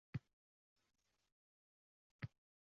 Yozuvchi zavqu shavq bilan, toʻlib-toshib tahririyatga boradi